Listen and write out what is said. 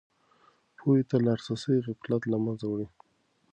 پوهې ته لاسرسی غفلت له منځه وړي.